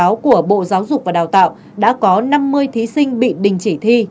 báo của bộ giáo dục và đào tạo đã có năm mươi thí sinh bị đình chỉ thi